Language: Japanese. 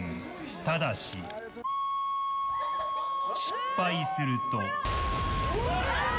ただし、失敗すると。